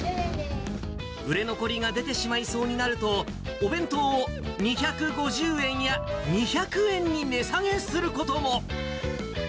売れ残りが出てしまいそうになると、お弁当を２５０円や、２００円に値下げすることも。